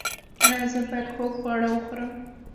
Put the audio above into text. ایا زه باید خوږ خواړه وخورم؟